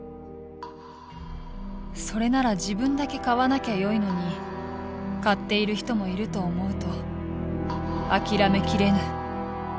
「それなら自分だけ買わなきゃよいのに買っている人もいると思うとあきらめきれぬ。